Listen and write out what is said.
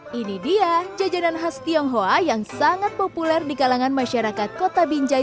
hai ini dia jajanan khas tionghoa yang sangat populer di kalangan masyarakat kota binjai